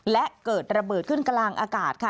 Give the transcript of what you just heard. และเกิดระเบิดขึ้นกลางอากาศค่ะ